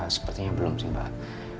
sepertinya belum sih mbak